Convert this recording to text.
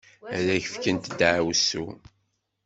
Ad ak-fkent ddeɛwessu.